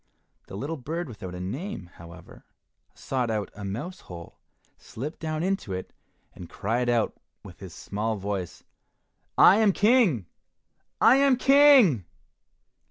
The little bird without a name, however, sought out a mouse hole, slipped down into it, and cried out of it with his small voice, "I am King! I am King!"